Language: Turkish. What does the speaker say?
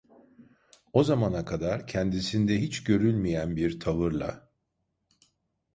O zamana kadar kendisinde hiç görülmeyen bir tavırla: